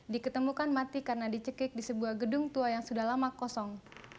diketemukan mati karena dicekik di sebuah gedung tua yang sudah lama kosong